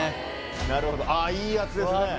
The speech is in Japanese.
なるほどあいい圧ですね